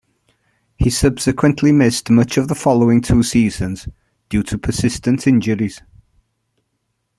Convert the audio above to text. He subsequently missed much of the following two seasons due to persistent injuries.